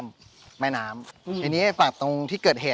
ชื่องนี้ชื่องนี้ชื่องนี้ชื่องนี้ชื่องนี้